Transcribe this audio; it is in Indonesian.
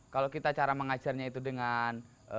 kalau kita cara mengajarnya itu dengan